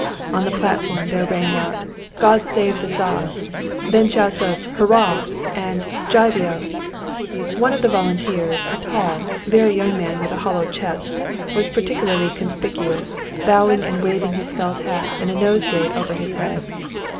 On the platform there rang out "God save the Tsar," then shouts of "hurrah!" and "jivio!" One of the volunteers, a tall, very young man with a hollow chest, was particularly conspicuous, bowing and waving his felt hat and a nosegay over his head.